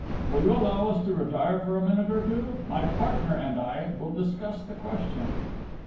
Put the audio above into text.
Will you allow us to retire for a minute or two: my partner and I will discuss the question."